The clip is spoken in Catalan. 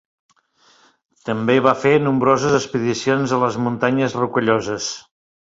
També va fer nombroses expedicions a les Muntanyes Rocalloses.